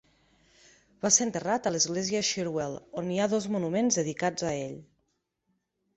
Va ser enterrat a l'església Shirwell, on hi ha dos monuments dedicats a ell.